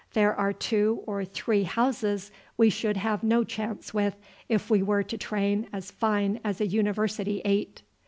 There are two or three houses we should have no chance with if we were to train as fine as a university eight."